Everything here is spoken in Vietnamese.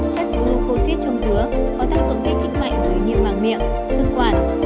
chất glucoside trong dứa có tác dụng để thích mạnh với nghiêm bằng miệng thức quản